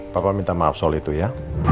papa minta maaf soal itu ya